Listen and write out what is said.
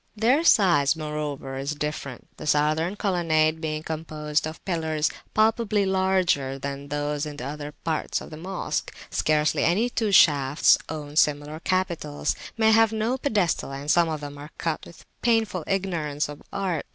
[FN#73] Their size, moreover, is different, the Southern colonnade being composed of pillars palpably larger than those in the other parts of the Mosque. Scarcely any two shafts own similar capitals; many have no pedestal, and some of them are cut with a painful ignorance of art.